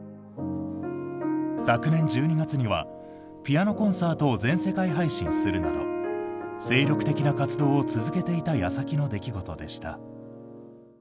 昨年１２月にはピアノコンサートを全世界配信するなど精力的な活動を続けていた矢先の出来事でした。